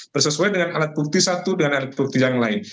bersesuaian dengan alat bukti satu dengan alat bukti yang lain